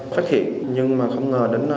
phát hiện nhưng mà không ngờ đến